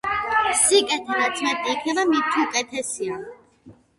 სიკეთე რაც მეტი იქნება მით უკეთესია